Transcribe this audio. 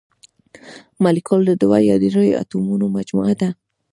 مالیکول د دوه یا ډیرو اتومونو مجموعه ده.